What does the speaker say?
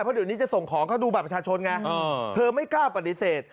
เพราะเดี๋ยวนี้จะส่งของเขาดูบัตรประชาชนไงเธอไม่กล้าปฏิเสธ